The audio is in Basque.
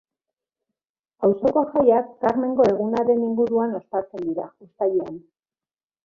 Auzoko jaiak Karmengo Egunaren inguruan ospatzen dira, uztailean.